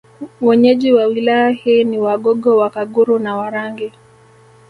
Wenyeji wa Wilaya hii ni Wagogo Wakaguru na Warangi